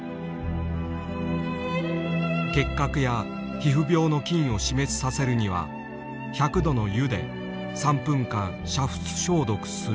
結核や皮膚病の菌を死滅させるには１００℃の湯で３分間煮沸消毒する。